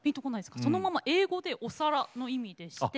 そのまま英語でお皿の意味でして。